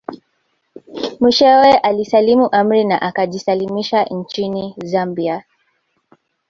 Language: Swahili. Mwishowe alisalimu amri na akajisalimisha nchini Zambia